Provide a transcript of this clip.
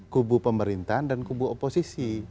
kubu pemerintahan dan kubu oposisi